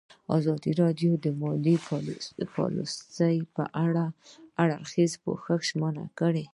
ازادي راډیو د مالي پالیسي په اړه د هر اړخیز پوښښ ژمنه کړې.